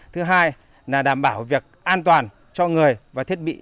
thứ hai là đảm bảo việc an toàn cho người và thiết bị